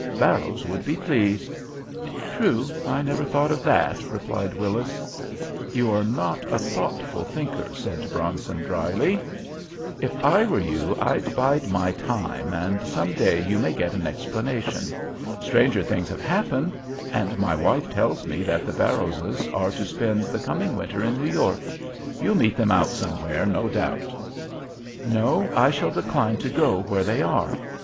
"Barrows would be pleased." "True. I never thought of that," replied Willis. "You are not a thoughtful thinker," said Bronson, dryly. "If I were you I'd bide my time, and some day you may get an explanation. Stranger things have happened; and my wife tells me that the Barrowses are to spend the coming winter in New York. You'll meet them out somewhere, no doubt." "No; I shall decline to go where they are.